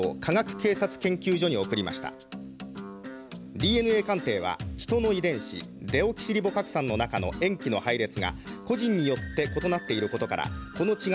ＤＮＡ鑑定は人の遺伝子デオキシリボ核酸の中の塩基の配列が個人によって異なっていることからこの違いを分析する方法です。